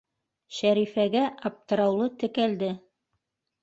Шәрифәгә аптыраулы текәлде: